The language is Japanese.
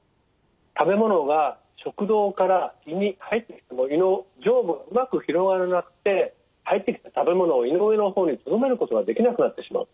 食べ物が食道から胃に入ってきた時の上部がうまく広がらなくて入ってきた食べ物を胃の上の方にとどめることができなくなってしまう。